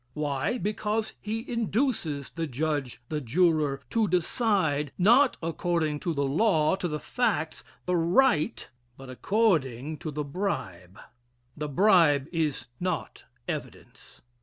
Why? Because he induces the judge, the juror, to decide, not according to the law, to the facts, the right, but according to the bribe. The bribe is not evidence.